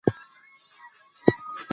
پر ناسم باور تکیه مه کوئ.